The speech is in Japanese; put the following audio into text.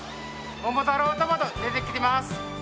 桃太郎トマト出てきてます。